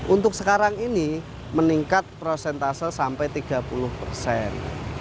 untuk sekarang ini meningkat prosentase sampai tiga puluh persen